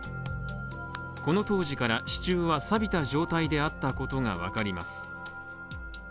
この当時から支柱は錆びた状態であったことがわかります。